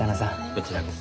こちらこそ。